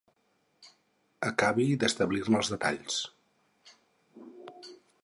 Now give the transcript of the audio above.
Acabi d'establir-ne els detalls.